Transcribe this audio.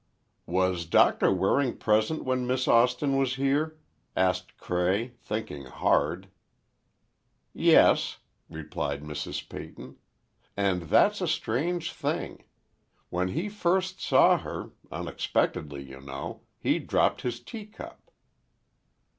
"Was Doctor Waring present when Miss Austin was here?" asked Cray, thinking hard. "Yes," replied Mrs. Peyton, "and that's a strange thing. When he first saw her—unexpectedly, you know—he dropped his teacup."